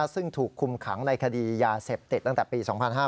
ซึ่งถูกคุมขังในคดียาเสพติดตั้งแต่ปี๒๕๕๙